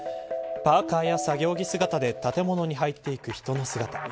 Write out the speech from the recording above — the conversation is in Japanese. パーカや作業着姿で建物に入っていく人の姿。